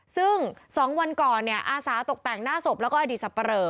ซึ่ง๒วันก่อนอาสาตกแต่งหน้าศพแล้วก็อดีตสับปะเหลอ